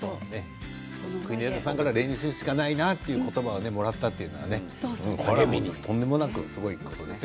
国枝さんから練習しかないなという言葉をもらったのはとんでもなくすごいことですよ。